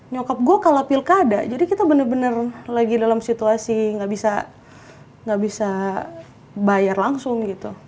nyokap gue kalah pilkada jadi kita bener bener lagi dalam situasi nggak bisa bayar langsung gitu